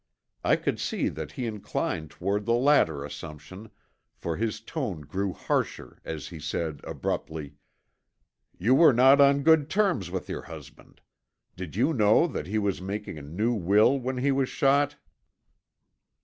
I could see that he inclined toward the latter assumption for his tone grew harsher as he said abruptly: "You were not on good terms with your husband. Did you know that he was making a new will when he was shot?"